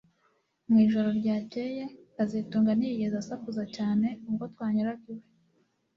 Mu ijoro ryakeye kazitunga ntiyigeze asakuza cyane ubwo twanyuraga iwe